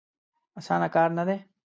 اسانه کار نه دی.